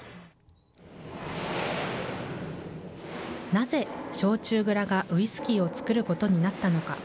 なぜ焼酎蔵がウイスキーを造ることになったのか。